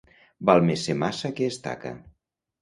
Val més ser maça que estaca.